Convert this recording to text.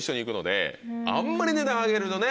あんまり値段上げるとね。